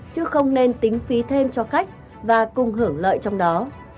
chứ không nên tính phí thêm cho khách và cùng hưởng lợi trong đó